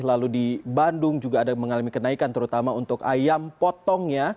lalu di bandung juga ada mengalami kenaikan terutama untuk ayam potongnya